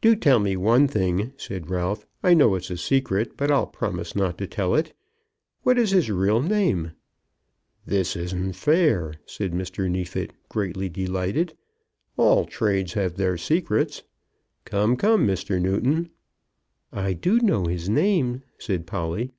"Do tell me one thing," said Ralph. "I know it's a secret, but I'll promise not to tell it. What is his real name?" "This isn't fair," said Mr. Neefit, greatly delighted. "All trades have their secrets. Come, come, Mr. Newton!" "I know his name," said Polly.